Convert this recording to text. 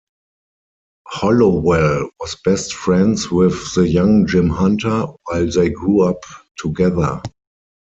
Hollowell was best friends with the young Jim Hunter while they grew up together.